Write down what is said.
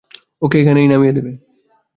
ওকে ওখানেই নামিয়ে দেবে।